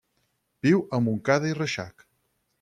Viu a Montcada i Reixac.